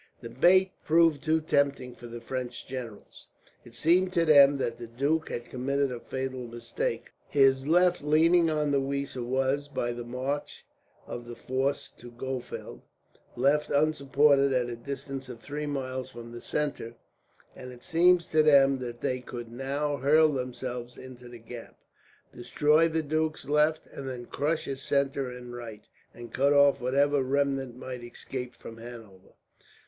The bait proved too tempting for the French generals. It seemed to them that the duke had committed a fatal mistake. His left, leaning on the Weser was, by the march of the force to Gohfeld, left unsupported at a distance of three miles from the centre; and it seemed to them that they could now hurl themselves into the gap, destroy the duke's left, and then crush his centre and right, and cut off whatever remnant might escape from Hanover.